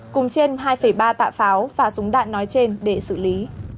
cùng trên hai ba tạ pháo và súng đạn nói trên để xử lý